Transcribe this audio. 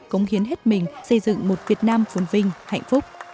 cống hiến hết mình xây dựng một việt nam phồn vinh hạnh phúc